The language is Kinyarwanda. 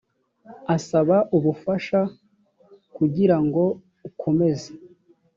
asaba ubufasha kugira ngo ukomeze